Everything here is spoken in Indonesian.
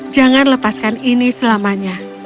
jangan lepaskan ini selamanya